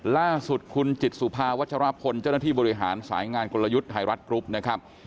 ล่าสุดคุณจิตสุภาวัชรพลเจ้าหน้าที่บริหารสายงานกลยุทธ์ไทยรัฐกรุ๊ปนะครับ